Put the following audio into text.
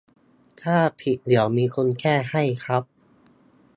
ถ้าผิดเดี๋ยวมีคนแก้ให้ครับ